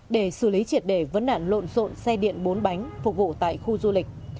để xử lý triệt để vấn đạn lộn xộn xe điện bốn bánh phục vụ tại khu du lịch